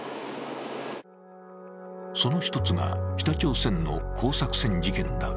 その一つが北朝鮮の工作船事件だ。